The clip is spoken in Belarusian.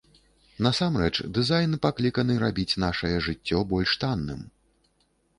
Насамрэч дызайн пакліканы рабіць нашае жыццё больш танным.